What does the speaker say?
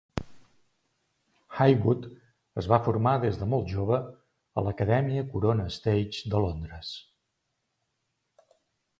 Haywoode es va formar des de molt jove a l'Acadèmia Corona Stage de Londres.